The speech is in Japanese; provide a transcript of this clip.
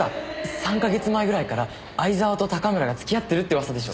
３か月前ぐらいから藍沢と高村が付き合ってるって噂でしょ？